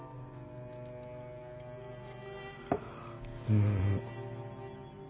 うん。